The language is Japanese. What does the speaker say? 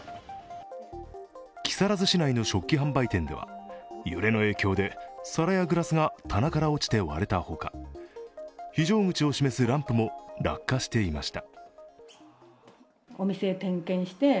木更津市内の食器販売店では揺れの影響で皿やグラスが棚から落ちて割れたほか非常口を示すランプも落下していました。